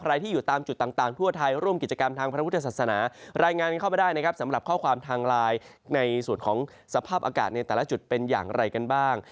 ที่อยู่ตามจุดต่างทั่วไทยร่วมกิจกรรมทางพระพุทธศาสนารายงานกันเข้าไปได้นะครับสำหรับข้อความทางไลน์ในส่วนของสภาพอากาศในแต่ละจุดเป็นอย่างไรกันบ้าง